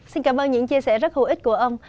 xin cảm ơn những chia sẻ rất hữu ích của ông